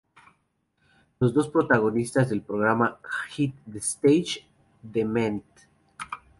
Los dos protagonizan el programa "Hit the Stage" de Mnet.